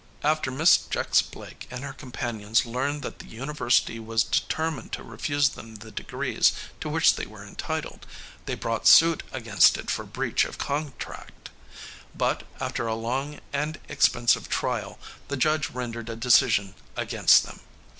After Miss Jex Blake and her companions learned that the university was determined to refuse them the degrees to which they were entitled, they brought suit against it for breach of contract. But, after a long and expensive trial, the judge rendered a decision against them.